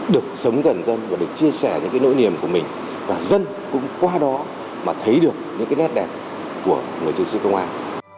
được sống gần dân và được chia sẻ những cái nỗi niềm của mình và dân cũng qua đó mà thấy được những cái nét đẹp của người chiến sĩ công an